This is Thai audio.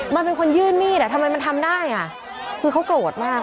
มันเป็นคนยื่นมีดอ่ะทำไมมันทำได้อ่ะคือเขาโกรธมาก